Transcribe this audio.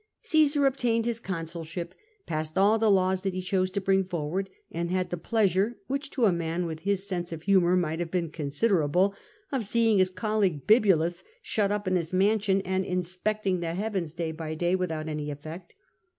Caesar obtained his consulship, passed all the laws that he chose to bring forward, and had the pleasure (which to a man with his sense of humour must have been considerable) of seeing his colleague Bibulus shut up in his mansion and ''inspecting the heavens'" day by day without any effect.